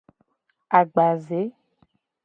Agbaze.